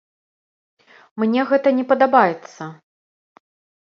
Мне гэта не падабаецца.